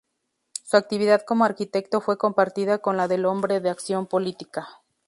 Su actividad como arquitecto fue compartida con la del hombre de acción política.